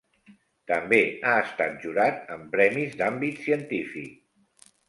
També ha estat jurat en premis d'àmbit científic.